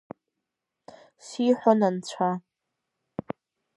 Сиҳәон Анцәа.